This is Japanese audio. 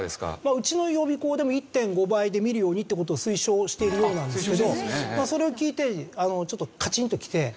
うちの予備校でも１．５倍で見るようにって事を推奨しているようなんですけどそれを聞いてちょっとカチンときて。